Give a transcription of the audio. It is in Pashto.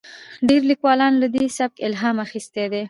ډیرو لیکوالانو له دې سبک الهام اخیستی دی.